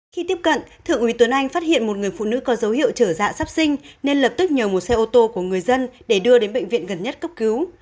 khi tiếp cận thượng úy tuấn anh phát hiện một người phụ nữ có dấu hiệu chở dạ sắp sinh nên lập tức nhờ một xe ô tô của người dân để đưa đến bệnh viện gần nhất cấp cứu